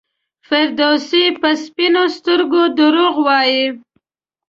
فردوسي په سپینو سترګو دروغ وایي.